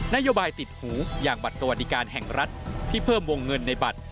โยบายติดหูอย่างบัตรสวัสดิการแห่งรัฐที่เพิ่มวงเงินในบัตร